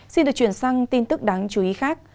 xin được chuyển sang tin tức đáng chú ý khác